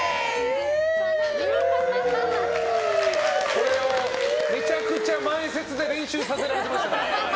これをめちゃくちゃ前説で練習させられてましたから。